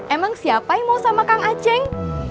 emang siapa yang mau sama kang aceh